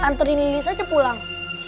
anterin lilis aja pulang